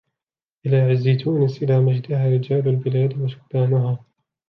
إِلَى عِزِّ تُونِسْ إِلَى مَجْدِهَا رِجَالُ الْبِلَادِ وَشُبَّانُهَا